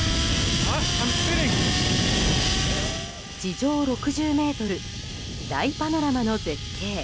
地上６０ｍ大パノラマの絶景。